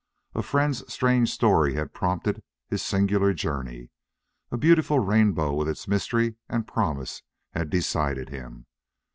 A friend's strange story had prompted his singular journey; a beautiful rainbow with its mystery and promise had decided him.